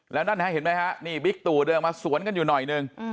แล้วนั่นฮะเห็นไหมฮะนี่บิ๊กตู่เดินมาสวนกันอยู่หน่อยนึง